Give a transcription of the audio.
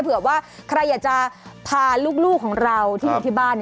เผื่อว่าใครอยากจะพาลูกของเราที่อยู่ที่บ้าน